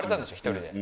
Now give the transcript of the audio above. １人で。